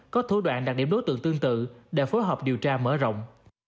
có thủ đoạn đặc điểm đối tượng tương tự để phối hợp điều tra mở rộng